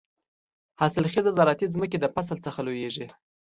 حاصل خېزه زراعتي ځمکې د فصل څخه لوېږي.